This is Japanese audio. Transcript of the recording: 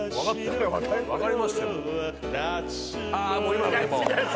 今のでもう。